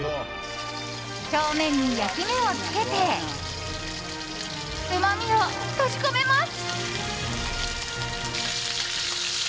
表面に焼き目をつけてうまみを閉じ込めます。